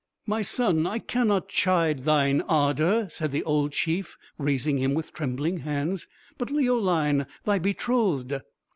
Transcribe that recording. "My son, I cannot chide thine ardour," said the old chief, raising him with trembling hands; "but Leoline, thy betrothed?"